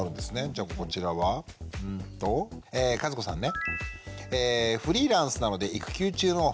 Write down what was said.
じゃあこちらはうんとＫＡＺＵＫＯさんね。